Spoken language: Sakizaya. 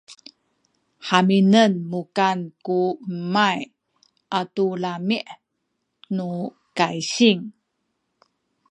haminen mukan ku hemay atu lami’ nu kaysing